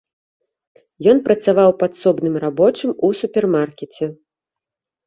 Ён працаваў падсобным рабочым у супермаркеце.